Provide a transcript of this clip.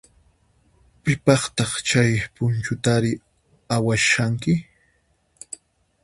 Pipaqtaq chay punchutari awashanki?